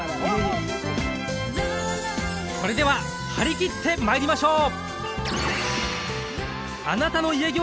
それでは張り切ってまいりましょう！